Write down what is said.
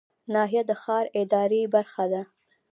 ناحیه د ښار اداري برخه ده